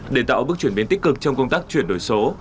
để tạo bước chuyển biến tích cực trong công tác chuyển đổi số